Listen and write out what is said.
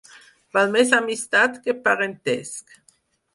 Val més amistat que parentesc.